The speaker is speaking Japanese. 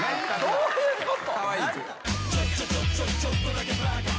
どういうこと？